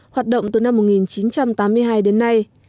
hoạt động từ năm một nghìn chín trăm tám mươi hai đến nay